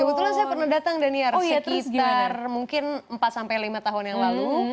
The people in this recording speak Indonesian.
kebetulan saya pernah datang daniar sekitar mungkin empat sampai lima tahun yang lalu